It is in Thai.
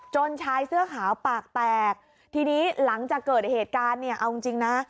ชายเสื้อขาวปากแตกทีนี้หลังจากเกิดเหตุการณ์เนี่ยเอาจริงจริงนะ